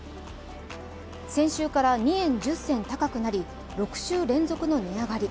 先週から２円１０銭高くなり、６週連続の値上がり。